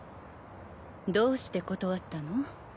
どうして断ったの？